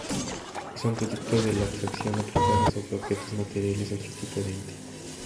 Son productos de la abstracción aplicada sobre objetos materiales u otro tipo de ente.